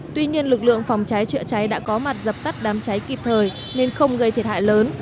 tuy nhiên lực lượng phòng cháy chữa cháy đã có mặt dập tắt đám cháy kịp thời nên không gây thiệt hại lớn